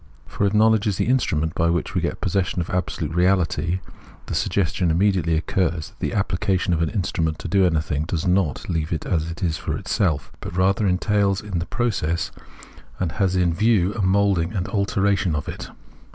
For if knowledge is the instrument by which to get possession of absolute Reahty, the sug gestion immediately occurs that the application of an instrument to anything does not leave it as it is for itself, but rather entails in the process and has in 73 74 Phenomenology of Mind view a moulding and alteration of it.